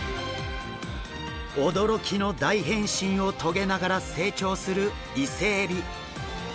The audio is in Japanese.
驚きの大変身を遂げながら成長するイセエビ。